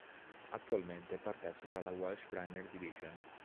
Attualmente partecipa alla Welsh Premier Division.